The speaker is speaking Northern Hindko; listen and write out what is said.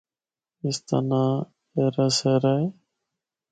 اس دا ناں ایرا سیرا اے۔